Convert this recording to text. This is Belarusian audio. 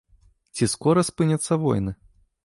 Ці скора спыняцца войны?